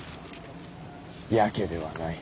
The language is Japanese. やけではない。